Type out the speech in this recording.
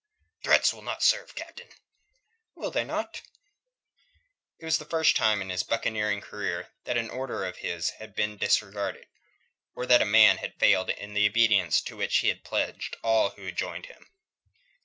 "Threats will not serve, Captain." "Will they not?" It was the first time in his buccaneering career that an order of his had been disregarded, or that a man had failed in the obedience to which he pledged all those who joined him.